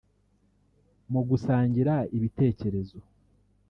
Mu gusangira ibitekerezo